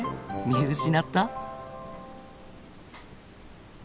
見失った？